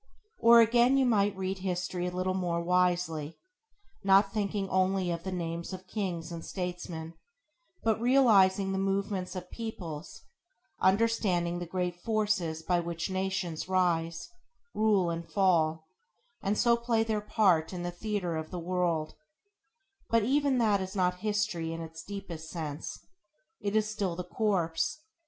Or again you might read history a little more wisely; not thinking only of the names of Kings and statesmen, but realizing the movements of peoples, understanding the great forces by which nations rise, rule and fall, and so play their part in the theater of the world; but even that is not history in its deepest sense. It is still the corpse.